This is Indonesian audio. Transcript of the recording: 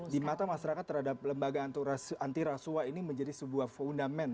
di mata masyarakat terhadap lembaga anti rasuah ini menjadi sebuah fundament